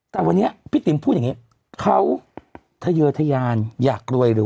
แต่วันนี้พี่ติ๋มพูดอย่างนี้เขาทะเยอร์ทะยานอยากรวยหรือ